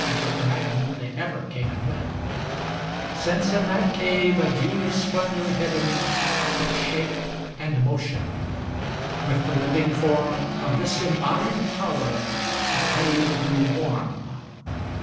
At her command they ever came and weat ŌĆö Since in that cave a dewy splendor hid den Took shape and motion; with the living form Of this embodied Power the cave grew warm.